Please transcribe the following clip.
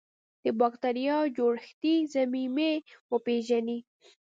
د بکټریا جوړښتي ضمیمې وپیژني.